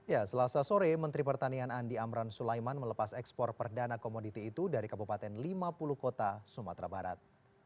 ya selasa sore menteri pertanian andi amran sulaiman melepas ekspor perdana komoditi itu dari kabupaten lima puluh kota sumatera barat